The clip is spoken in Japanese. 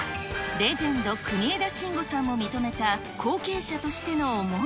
レジェンド、国枝慎吾さんも認めた、後継者としての思い。